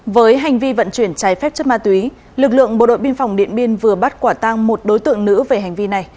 với hành vi vận chuyển trái phép chất ma túy lực lượng bộ đội biên phòng điện biên vừa bắt quả tang một đối tượng nữ về hành vi này